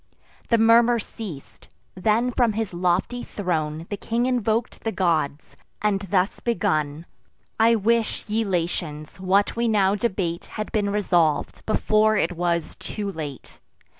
The murmur ceas'd: then from his lofty throne The king invok'd the gods, and thus begun: "I wish, ye Latins, what we now debate Had been resolv'd before it was too late.